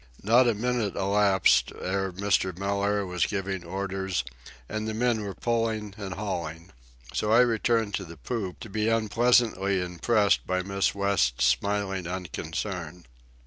Not a minute elapsed ere Mr. Mellaire was giving orders and the men were pulling and hauling. So I returned to the poop to be unpleasantly impressed by Miss West's smiling unconcern.